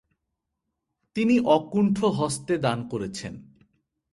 তিনি অকুণ্ঠহস্তে দান করেছেন।